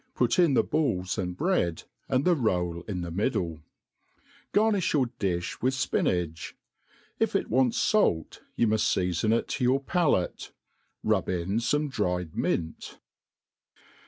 put in the balls and bread,' and the roll in the middle. Garnim yoqr diih.with fpi iiach. if it wants fait, ypu ^u(l featon it %o your^akite: rut) in fome dried mint.